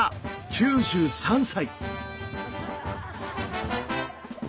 ９３歳！